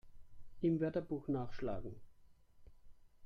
Im Wörterbuch nachschlagen!